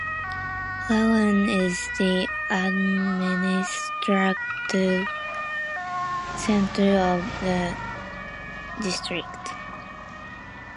Plauen is the administrative center of the district.